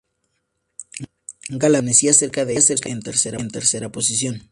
Jalabert permanecía cerca de ellos, en tercera posición.